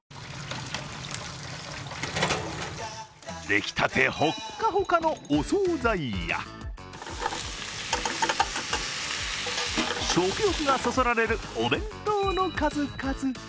出来たてほかほかのお総菜や食欲がそそられるお弁当の数々。